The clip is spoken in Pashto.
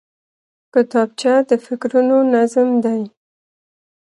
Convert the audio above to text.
کتابچه د فکرونو نظم دی